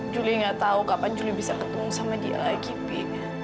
juli gak tau kapan juli bisa ketemu sama dia lagi bi